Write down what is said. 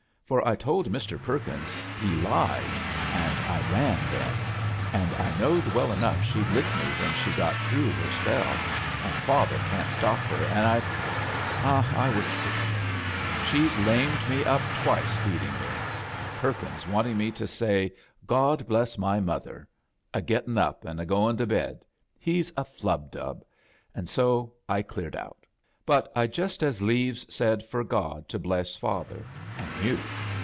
For I told Mr. Perkins he lied, aa' I ran then. An' I knowed well enough she'd lick me when she got throt^h her spell — an' father can't "N stop her, an' I — ah, I was sick of iti She's '' lamed me up twice beating me — an' Per kins waotii^ me to say 'God bless my motherl* a getting up and a>going to bed — ^he's a flubdub I An' so I cleared out. But I'd just as leaves said for God to bless father — an' you.